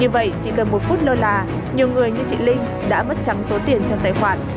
như vậy chỉ cần một phút lô là nhiều người như chị linh đã mất chẳng số tiền trong tài khoản